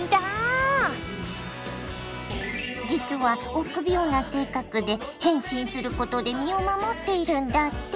実は臆病な性格で変身することで身を守っているんだって。